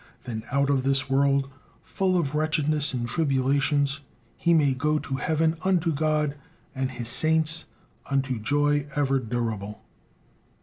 Then out of this world, full of wretchedness and tribulations, he may go to heaven unto God and his saints, unto joy ever durable."